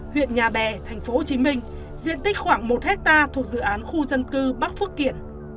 huyện nhà bè tp hcm diện tích khoảng một hectare thuộc dự án khu dân cư bắc phước kiển